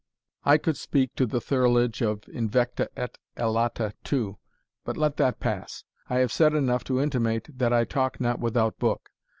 I could speak to the thirlage of invecta et illata too, but let that pass. I have said enough to intimate that I talk not without book.